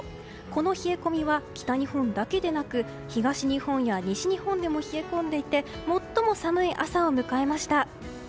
この冷え込みは北日本だけでなく東日本や西日本でも冷え込んでいて最も寒い朝を迎えました。